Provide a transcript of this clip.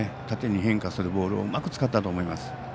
縦に変化するボールをうまく使ったと思います。